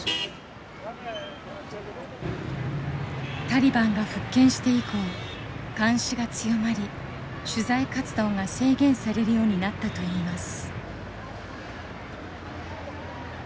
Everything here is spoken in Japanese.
タリバンが復権して以降監視が強まり取材活動が制限されるようになったといいます。